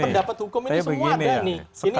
semua pendapat hukum ini semua ada